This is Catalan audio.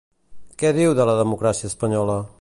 Què diu de la democràcia espanyola?